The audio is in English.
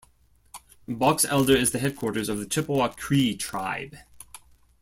Box Elder is the headquarters of the Chippewa-Cree tribe.